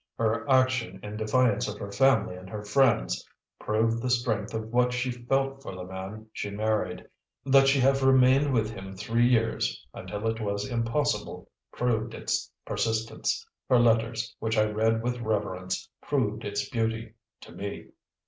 Her action in defiance of her family and her friends proved the strength of what she felt for the man she married; that she have remained with him three years until it was impossible proved its persistence; her letters, which I read with reverence, proved its beauty to me.